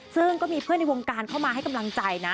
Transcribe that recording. ซึ่งก็มีเพื่อนในวงการเข้ามาให้กำลังใจนะ